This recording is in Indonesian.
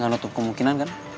gak nutup kemungkinan kan